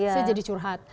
saya jadi curhat